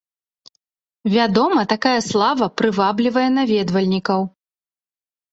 Вядома, такая слава прываблівае наведвальнікаў.